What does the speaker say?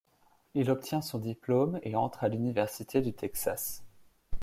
Il obtient son diplôme et entre à l'université du Texas.